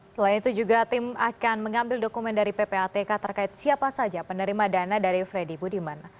selain itu juga tim akan mengambil dokumen dari ppatk terkait siapa saja penerima dana dari freddy budiman